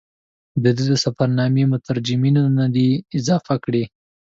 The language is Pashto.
د ده د سفرنامې مترجمینو څه نه دي اضافه کړي.